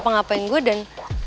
itu extra di sini kan